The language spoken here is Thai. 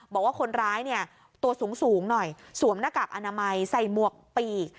บอกว่าคนร้ายเนี่ยตัวสูงหน่อยสวมหน้ากากอนามัยใส่หมวกปีก